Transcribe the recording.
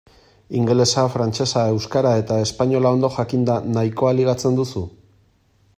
Ingelesa, frantsesa, euskara eta espainola ondo jakinda nahikoa ligatzen duzu?